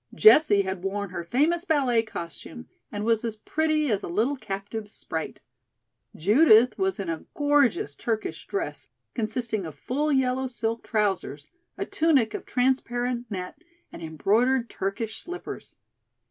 Jessie had worn her famous ballet costume, and was as pretty as a little captive sprite. Judith was in a gorgeous Turkish dress consisting of full yellow silk trousers, a tunic of transparent net and embroidered Turkish slippers.